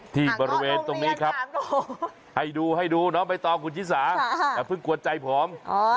ที่ประเวณตรงนี้ครับให้ดูไปต่อคุณชิสาแต่เพิ่งกวนใจผอม